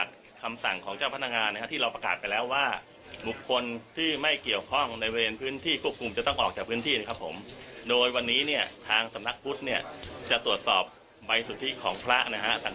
บรรดาสาวกลุกศิษย์ซึ่งยังคุมหน้าคุมตาอยู่นะครับ